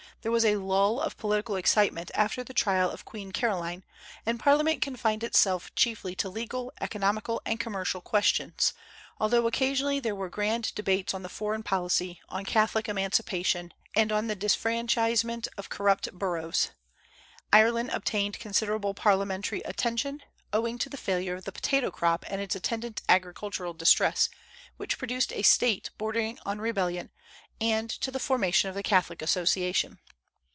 There was a lull of political excitement after the trial of Queen Caroline, and Parliament confined itself chiefly to legal, economical, and commercial questions; although occasionally there were grand debates on the foreign policy, on Catholic emancipation, and on the disfranchisement of corrupt boroughs. Ireland obtained considerable parliamentary attention, owing to the failure of the potato crop and its attendant agricultural distress, which produced a state bordering on rebellion, and to the formation of the Catholic Association.